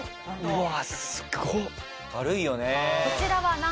うわ！